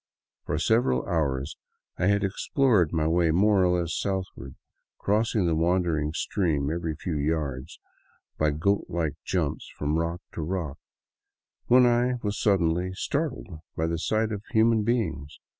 For several hours I had explored my way more or less southward, crossing the wandering stream every few yards by goat like jumps from rock to rock, when I was suddenly startled by the sight of human beings.